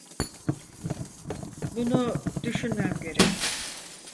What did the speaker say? Bunu düşünmem gerek.